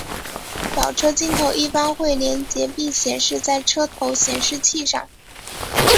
倒车镜头一般会连结并显示在车头显示器上。